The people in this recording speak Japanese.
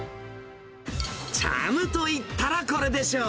チャムといったらこれでしょう。